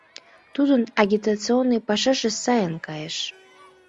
Тудын агитационный пашаже сайын кайыш.